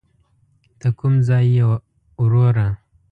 ته کوم ځای یې وروره.